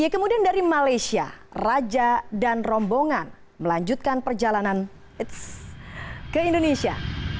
kemudian dari malaysia raja dan rombongan melanjutkan perjalanan ke indonesia